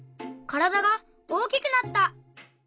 からだが大きくなった！